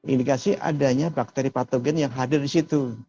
indikasi adanya bakteri patogen yang hadir di situ